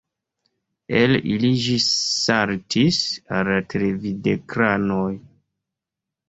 El ili ĝi saltis al la televidekranoj.